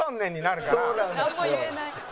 なんも言えない。